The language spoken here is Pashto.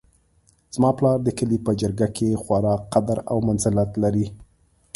زما پلار د کلي په جرګه کې خورا قدر او منزلت لري